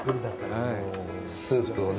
スープをね。